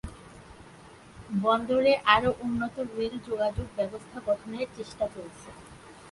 বন্দরে আরও উন্নত রেল যোগাযোগ ব্যবস্থা গঠনের চেষ্টা চলছে।